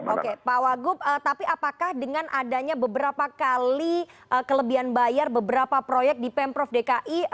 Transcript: oke pak wagub tapi apakah dengan adanya beberapa kali kelebihan bayar beberapa proyek di pemprov dki